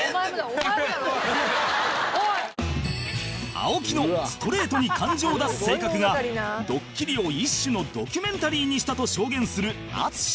青木のストレートに感情を出す性格がドッキリを一種のドキュメンタリーにしたと証言する淳